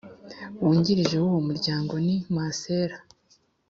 Wungirije w uwo Muryango ni Masera